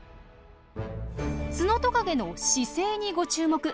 ツノトカゲの姿勢にご注目！